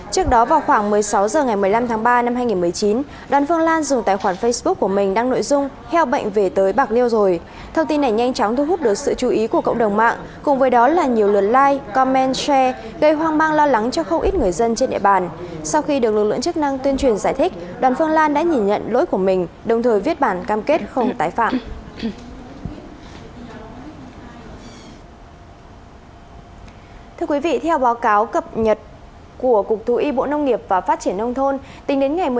trước đó vào khoảng một mươi sáu h ngày một mươi năm tháng ba năm hai nghìn một mươi chín đoàn phương lan dùng tài khoản facebook của mình đăng nội dung heo bệnh về tới bạc liêu rồi